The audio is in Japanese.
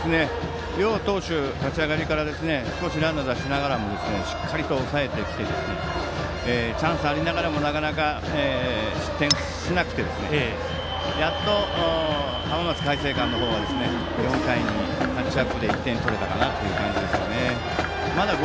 両投手、立ち上がりから少しランナー出しながらしっかりと抑えてきてチャンスがありながらもなかなか失点しなくてやっと浜松開誠館の方が４回にタッチアップ１点取れたかなっていう感じですね。